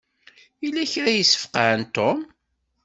Yella kra i yesfeqɛen Tom.